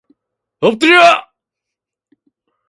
엎드려!